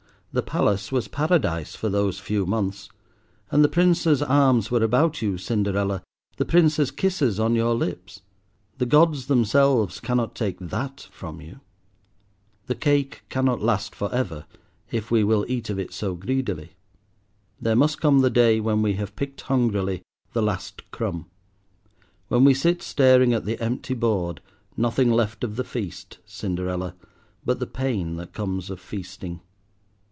The palace was Paradise for those few months, and the Prince's arms were about you, Cinderella, the Prince's kisses on your lips; the gods themselves cannot take that from you. The cake cannot last for ever if we will eat of it so greedily. There must come the day when we have picked hungrily the last crumb—when we sit staring at the empty board, nothing left of the feast, Cinderella, but the pain that comes of feasting.